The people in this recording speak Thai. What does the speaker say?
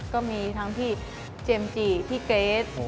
ก็มีทั้งที่เจมจีที่เกรส